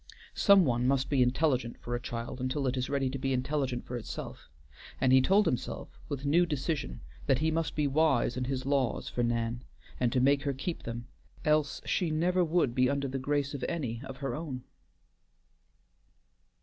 Some one must be intelligent for a child until it is ready to be intelligent for itself, and he told himself with new decision that he must be wise in his laws for Nan and make her keep them, else she never would be under the grace of any of her own.